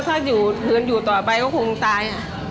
ถ้าอยู่ถืนอยู่ต่อไปก็คงตาย